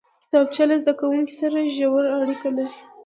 کتابچه له زده کوونکي سره ژوره اړیکه لري